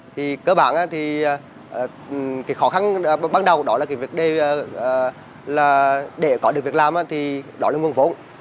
thì cơ bản thì cái khó khăn ban đầu đó là cái việc là để có được việc làm thì đó là nguồn vốn